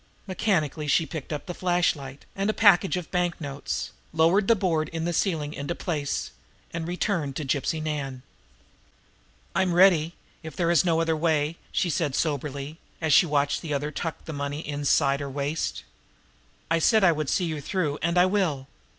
Mechanically she picked up the flashlight and a package of the banknotes, lowered the board in the ceiling into place, and returned to Gypsy Nan. "I'm ready, if there is no other way," she said soberly, as she watched the other tuck the money away inside her waist. "I said I would see you through, and I will.